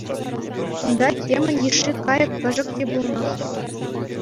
Унта темӗн йышши кайӑк-кӗшӗк те пулнӑ.